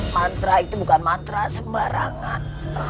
mantra itu bukan mantra sembarangan